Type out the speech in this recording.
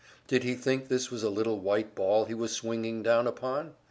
Did he think this was a little white ball he was swinging down upon?